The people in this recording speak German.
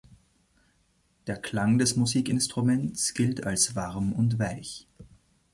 Der Klang des Musikinstruments gilt als warm und weich.